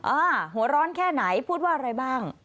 หัวร้อนแค่ไหนพูดว่าอะไรบ้าง